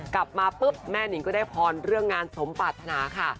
กลับมาปุ๊บแม่นิงก็ได้พรเรื่องงานสมปรารถนาค่ะ